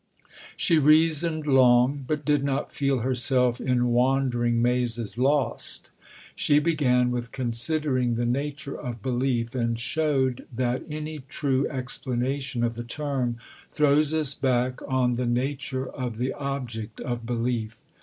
She reasoned long, but did not feel herself "in wandering mazes lost." She began with considering the nature of Belief, and showed that any true explanation of the term throws us back on the nature of the object of belief.